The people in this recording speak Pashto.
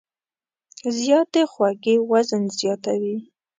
زیاتې خوږې وزن زیاتوي.